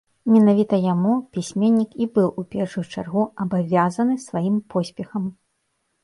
Менавіта яму пісьменнік і быў у першую чаргу абавязаны сваім поспехам.